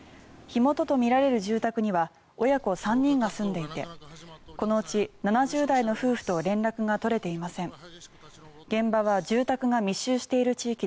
火元とみられる住宅には親子３人が住んでいてこのうち７０代の夫婦と連絡が取れていません。